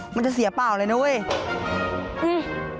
มันจะเสียเปล่าเลยนะเว้ย